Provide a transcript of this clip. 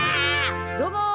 どうも。